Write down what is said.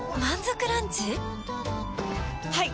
はい！